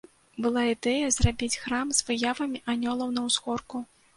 Была ідэя зрабіць храм з выявамі анёлаў, на ўзгорку.